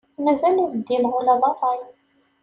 Mazal ur ddimeɣ ula d rray.